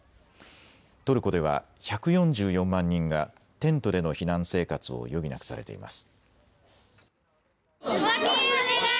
トルコでは１４４万人がテントでの避難生活を余儀なくされています。